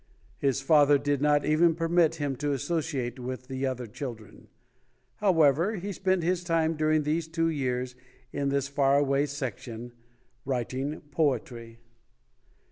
His father did not even permit him to associate with the other children. However, he spent his time during these two years in this far away section writing poetry.